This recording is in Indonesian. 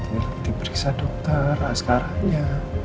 dia diperiksa dokter askaranya